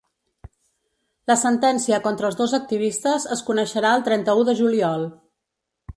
La sentència contra els dos activistes es coneixerà el trenta-u de juliol.